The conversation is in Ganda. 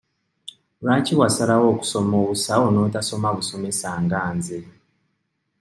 Lwaki wasalawo okusoma obusawo n'otasoma busomesa nga nze?